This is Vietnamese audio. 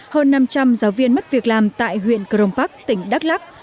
hơn năm trăm linh giáo viên mất việc làm tại huyện crong park tỉnh đắk lắc